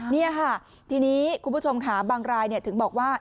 นี่ค่ะทีนี้คุณผู้ชมค่ะบางรายถึงบอกว่า